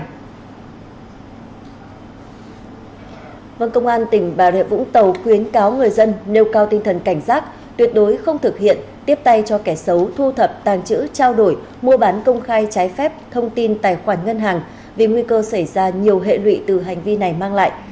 văn công tỉnh bà rịa vũng tàu khuyến cáo người dân nêu cao tinh thần cảnh giác tuyệt đối không thực hiện tiếp tay cho kẻ xấu thu thập tàng chữ trao đổi mua bán công khai trái phép thông tin tài khoản ngân hàng vì nguy cơ xảy ra nhiều hệ lụy từ hành vi này mang lại